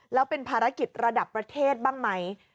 แล้วเป็นภารกิจระดับประเทศบ้างไหม